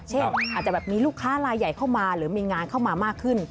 อาจจะแบบมีลูกค้าลายใหญ่เข้ามาหรือมีงานเข้ามามากขึ้น